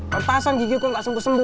l ultasan gigiku gak sembuh sembuh